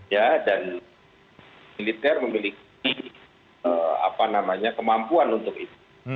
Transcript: ya dan militer memiliki apa namanya kemampuan untuk itu